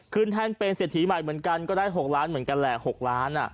แท่นเป็นเศรษฐีใหม่เหมือนกันก็ได้๖ล้านเหมือนกันแหละ๖ล้าน